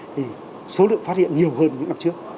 thì số lượng phát hiện nhiều hơn những năm trước